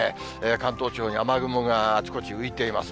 関東地方に雨雲があちこち、浮いています。